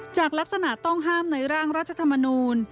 จากลักษณะต้องห้ามในร่างรัฐธรรมนูล